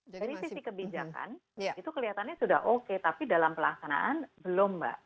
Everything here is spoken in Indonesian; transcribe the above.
dari sisi kebijakan itu kelihatannya sudah oke tapi dalam pelaksanaan belum mbak